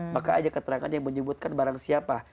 maka aja keterangannya menyebutkan barang siapa